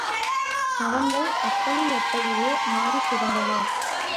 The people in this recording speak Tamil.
சவங்கள் அப்படியப்படியே நாறிக் கிடந்தன.